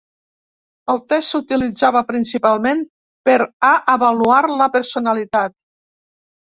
El test s'utilitzava principalment per a avaluar la personalitat.